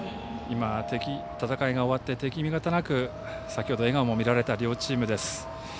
戦いが終わって敵味方関係なく先ほど笑顔も見られた両チームです。